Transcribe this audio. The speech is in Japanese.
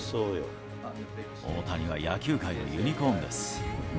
大谷は野球界のユニコーンです。